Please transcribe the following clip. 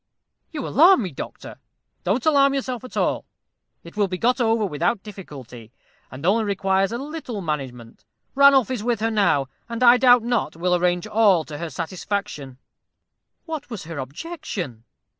"You alarm me, doctor." "Don't alarm yourself at all. It will be got over without difficulty, and only requires a little management. Ranulph is with her now, and I doubt not will arrange all to her satisfaction." "What was her objection?"